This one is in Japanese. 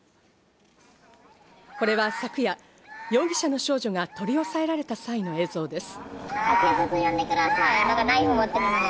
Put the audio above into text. これは昨夜、容疑者の少女が取り押さえられた際の映像です。